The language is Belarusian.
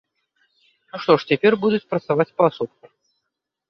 Ну, што ж, цяпер будуць працаваць паасобку.